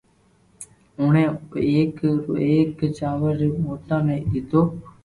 اوڻي او ايڪ او ايڪ چاور ري دوڻا ني ليدو